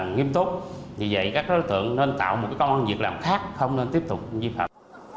nghiêm túc vì vậy các đối tượng nên tạo một công an việc làm khác không nên tiếp tục vi phạm